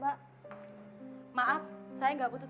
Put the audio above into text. aisyah ini mudah